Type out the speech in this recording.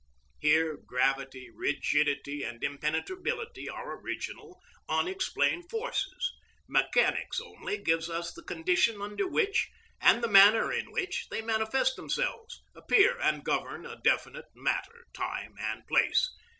Here gravity, rigidity, and impenetrability are original unexplained forces; mechanics only gives us the condition under which, and the manner in which, they manifest themselves, appear, and govern a definite matter, time, and place.